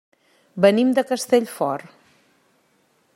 Venim de Castellfort.